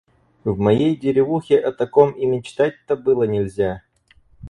В моей деревухе о таком и мечтать-то было нельзя!